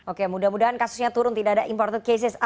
oke mudah mudahan kasusnya turun tidak ada imported cases